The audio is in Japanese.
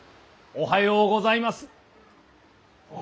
おはようございます。